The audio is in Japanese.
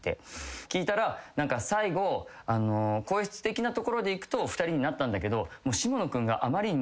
聞いたら最後声質的なところでいくと２人になったんだけど。